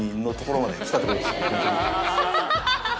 ハハハハ！